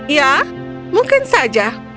ya mungkin saja